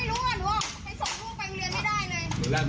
คือจะใช้คำว่าไม่เกี่ยวก็ได้